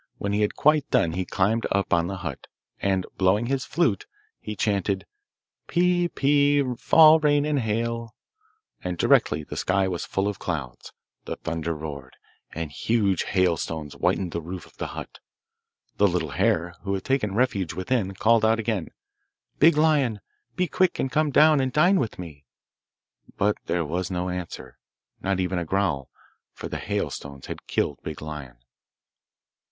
When he had quite done he climbed up on the hut, and, blowing his flute, he chanted 'Pii, pii, fall rain and hail,' and directly the sky was full of clouds, the thunder roared, and huge hailstones whitened the roof of the hut. The little hare, who had taken refuge within, called out again, 'Big Lion, be quick and come down and dine with me.' But there was no answer, not even a growl, for the hailstones had killed Big Lion.